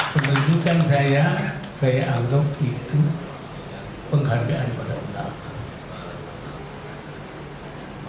penunjukan saya saya anggap itu penghargaan pada ulama